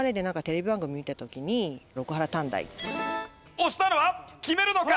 押したのは決めるのか？